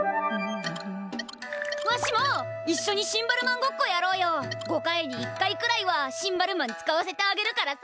いっしょにシンバルマンごっこやろうよ。５回に１回くらいはシンバルマン使わせてあげるからさ。